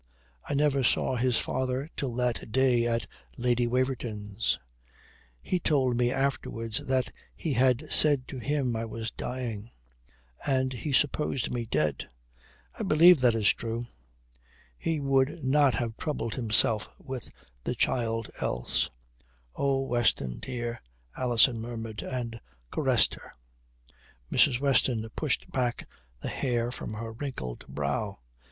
I never saw his father till that day at Lady Waverton's. He told me afterwards that they had said to him I was dying, and he supposed me dead. I believe that is true. He would not have troubled himself with the child else." "Oh, Weston, dear," Alison murmured, and caressed her. Mrs. Weston pushed back the hair from her wrinkled brow.